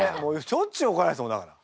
しょっちゅうおこられてたもんだから。